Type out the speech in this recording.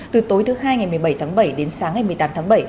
từ tối thứ hai ngày một mươi bảy tháng bảy đến sáng ngày một mươi tám tháng bảy